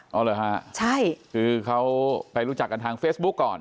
เอาเหรอฮะใช่คือเขาไปรู้จักกันทางเฟซบุ๊กก่อน